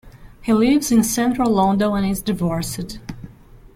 He lives in central London and is divorced.